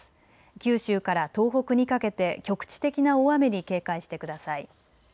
九州から東北にかけて局地的な大雨に警戒してください。